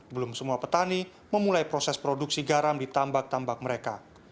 belum semua petani memulai proses produksi garam di tambak tambak mereka